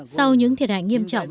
sau những thiệt hại nghiêm trọng